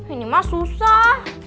ini mah susah